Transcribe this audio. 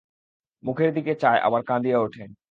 মুখের দিকে চায় আর কাঁদিয়া ওঠে।